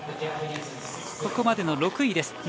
ここまでの６位です。